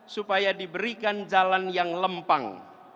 supaya diberikan jalan yang lempang